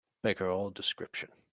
Beggar all description